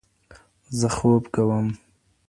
زه خوب کوم.